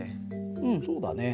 うんそうだね。